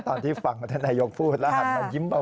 ตอนที่ฟังประเทศนายกพูดแล้วหันมันยิ้มเบา